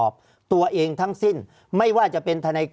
ภารกิจสรรค์ภารกิจสรรค์